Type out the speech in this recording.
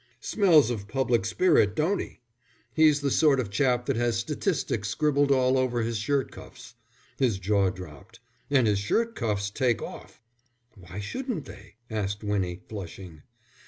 "Smells of public spirit, don't he? He's the sort of chap that has statistics scribbled all over his shirt cuffs." His jaw dropped. "And his shirt cuffs take off." "Why shouldn't they?" asked Winnie, flushing.